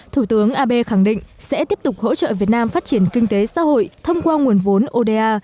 thủ tướng abe khẳng định sẽ tiếp tục hỗ trợ việt nam phát triển kinh tế xã hội thông qua nguồn vốn oda